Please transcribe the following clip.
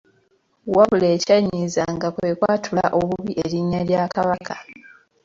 Wabula ekyannyiizanga kwe kwatula obubi erinnya lya Kabaka.